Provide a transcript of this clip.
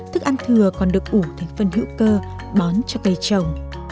thức ăn thừa còn được ủ thành phân hữu cơ bón cho cây trồng